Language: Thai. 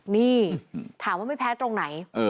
นี่ถามว่าไม่แพ้ตรงไหน